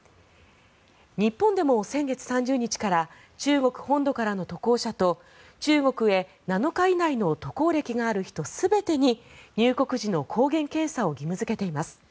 日本でも先月３０日から中国本土からの渡航者と中国へ７日以内の渡航歴がある人全てに入国時の抗原検査を義務付けています。